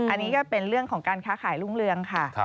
อันนี้ก็เป็นเรื่องของการค้าขายรุ่งเรืองค่ะ